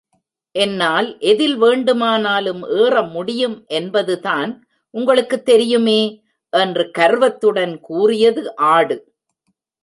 என்னால் எதில் வேண்டுமானலும் ஏற முடியும் என்பதுதான் உங்களுக்குத் தெரியுமே! என்று கர்வத்துடன் கூறியது ஆடு.